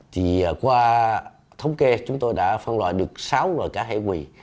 thì qua thống kê chúng tôi đã phân loại được sáu loại cá hải quỳ